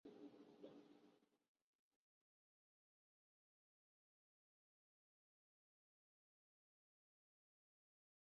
The original Main Street still holds the name Miller Street.